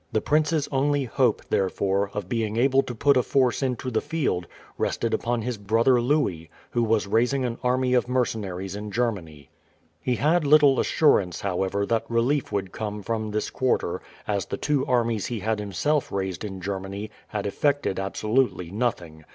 The prince's only hope, therefore, of being able to put a force into the field, rested upon his brother Louis, who was raising an army of mercenaries in Germany. He had little assurance, however, that relief would come from this quarter, as the two armies he had himself raised in Germany had effected absolutely nothing.